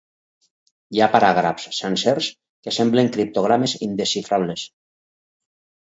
Hi ha paràgrafs sencers que semblen criptogrames indesxifrables.